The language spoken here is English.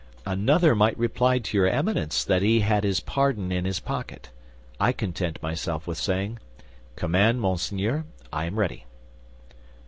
"Another might reply to your Eminence that he had his pardon in his pocket. I content myself with saying: Command, monseigneur; I am ready."